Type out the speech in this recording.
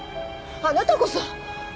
あなたこそ。